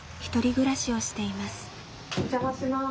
お邪魔します。